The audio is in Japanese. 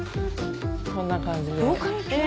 こんな感じで。